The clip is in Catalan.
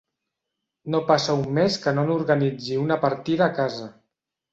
No passa un mes que no n'organitzi una partida a casa.